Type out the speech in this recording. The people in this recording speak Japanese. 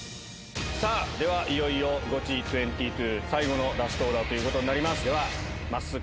さあ、ではいよいよ、ゴチ２２、最後のラストオーダーということになります。